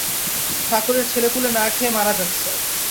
ঠাকুরের ছেলেপুলে না খেয়ে মারা যাচ্ছে।